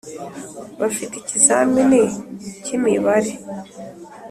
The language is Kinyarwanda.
bafite ikizamini kimibare